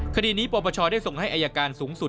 คดีนี้ปปชได้ส่งให้อายการสูงสุด